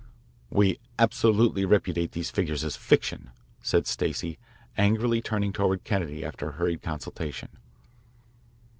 "We absolutely repudiate these figures as fiction," said Stacey, angrily turning toward Kennedy after a hurried consultation.